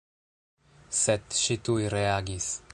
Sed ŝi tuj reagis.